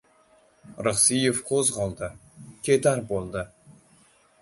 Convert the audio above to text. Rixsiyev qo‘zg‘oldi. Ketar bo‘ldi.